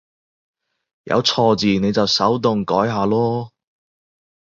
有錯字你就手動改下囉